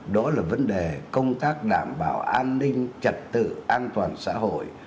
đó là vấn đề công tác đảm bảo an ninh trật tự an toàn xã hội